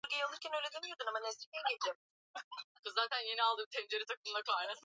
Kuanzia mauaji hadi uhusiano na makundi ya wanamgambo.